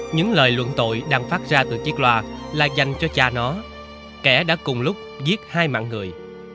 những lời luận tội đang phát ra từ chiếc loa là dành cho cha nó kẻ đã cùng lúc giết hai mạng người